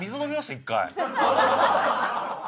１回。